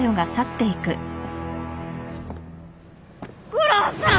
悟郎さん！？